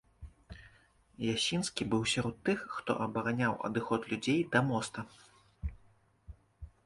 Ясінскі быў сярод тых, хто абараняў адыход людзей да моста.